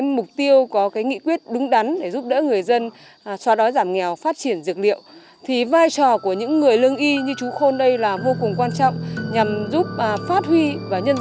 một mục tiêu có cái nghị quyết đúng đắn để giúp đỡ người dân cho đói giảm nghèo phát triển dược liệu thì vai trò của những người lương y như chú khôn đây là vô cùng quan trọng nhằm giúp phát huy và nhân rộng hơn nữa những cái mô hình đặc biệt này